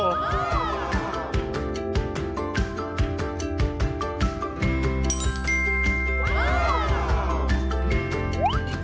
โอ้โห